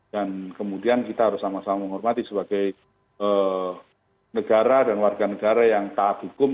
dan kemudian kita harus sama sama menghormati sebagai negara dan warga negara yang taat hukum